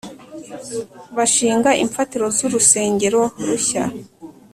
Bashinga imfatiro z'urusengero rushya